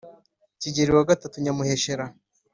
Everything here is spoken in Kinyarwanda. kigeli wa gatatu nyamuheshera